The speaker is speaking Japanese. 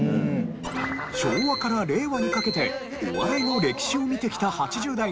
昭和から令和にかけてお笑いの歴史を見てきた８０代が